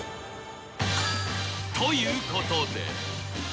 ということで］